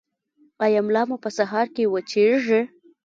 ایا ملا مو په سهار کې وچیږي؟